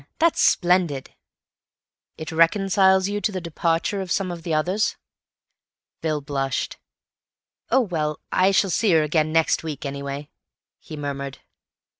That's splendid." "It reconciles you to the departure of—some of the others?" Bill blushed. "Oh, well, I shall see her again next week, anyway," he murmured.